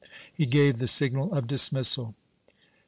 He gave the signal of dismissal.